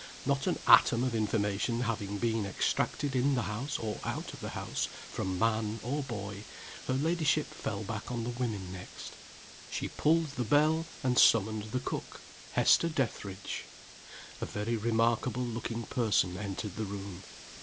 Not an atom of information having been extracted in the house or out of the house, from man or boy, her ladyship fell back on the women next. She pulled the bell, and summoned the cook Hester Dethridge. A very remarkable looking person entered the room.